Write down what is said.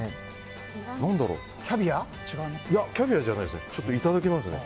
キャビアじゃないですね。